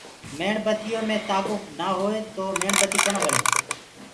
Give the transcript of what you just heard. ميڻ بتيو مينٚ تآگو نآ هوئي تو ميڻ بتي ڪونآ ٻݪي۔